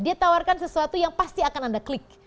dia tawarkan sesuatu yang pasti akan anda klik